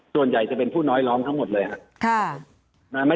ส่วนใหญ่จะเป็นผู้น้อยร้องทั้งหมดเลยครับ